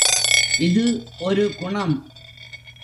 இது ஒரு குணம்.